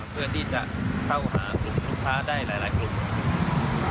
เพื่อที่จะเข้าหากลุ่มลูกค้าได้หลายกลุ่ม